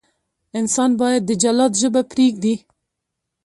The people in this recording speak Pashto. انسان باید د جلاد ژبه پرېږدي.